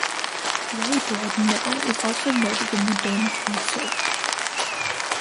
Weybread mill is also noted in the Domesday survey.